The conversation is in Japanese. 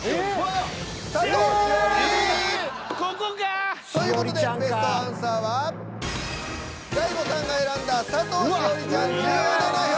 ここか！という事でベストアンサーは大悟さんが選んだ佐藤栞里ちゃん１７票！